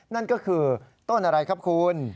นั่นก็คือต้นอะไรครับคุณ